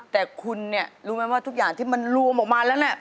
แต่คุณเนี่ยรู้ไหมว่าทุกอย่างที่มันรวมออกมาแล้วเนี่ย